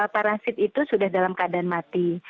parasit itu sudah dalam keadaan mati